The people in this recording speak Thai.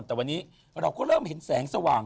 แต่วันนี้เราก็เริ่มเห็นแสงสว่าง